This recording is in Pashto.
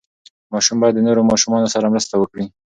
ماشوم باید د نورو ماشومانو سره مرسته وکړي.